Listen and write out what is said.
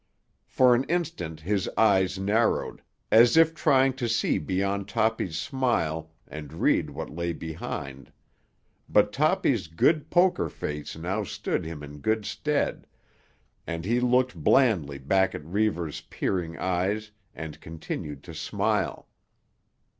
For an instant his eyes narrowed, as if trying to see beyond Toppy's smile and read what lay behind, but Toppy's good poker face now stood him in good stead, and he looked blandly back at Reivers' peering eyes and continued to smile.